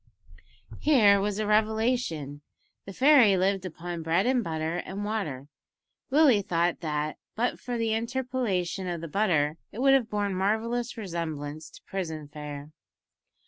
Here was a revelation! The fairy lived upon bread and butter and water! Willie thought that, but for the interpolation of the butter, it would have borne marvellous resemblance to prison fare.